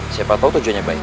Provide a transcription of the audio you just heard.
siapa tau tujuannya baik